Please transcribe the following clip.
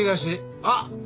あっ！